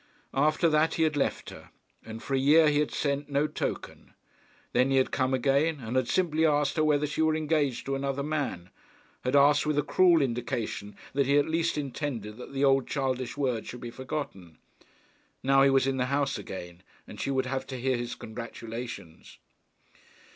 After that he had left her, and for a year had sent no token. Then he had come again, and had simply asked her whether she were engaged to another man; had asked with a cruel indication that he at least intended that the old childish words should be forgotten. Now he was in the house again, and she would have to hear his congratulations!